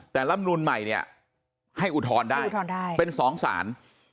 แต่ลำนูนใหม่เนี่ยให้อุทธรณ์ได้เป็นสองสาร